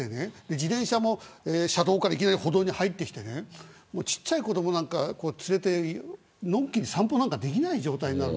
自転車も車道からいきなり歩道に入ってきてちっちゃい子どもなんか連れてのんきに散歩なんかできない状態になる。